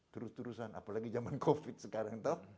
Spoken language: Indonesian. terus terusan apalagi zaman covid sekarang